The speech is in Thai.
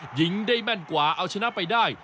หญิงได้แม่นกว่าเอาชนะไปได้